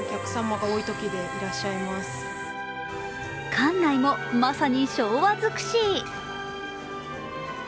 館内もまさに昭和尽くし。